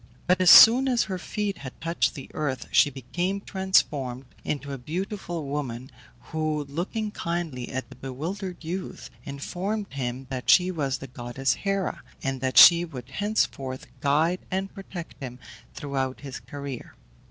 But as soon as her feet had touched the earth she became transformed into a beautiful woman, who, looking kindly at the bewildered youth, informed him that she was the goddess Hera, and that she would henceforth guide and protect him throughout his career.